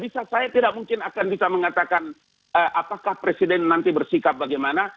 saya tidak mungkin akan bisa mengatakan apakah presiden nanti bersikap bagaimana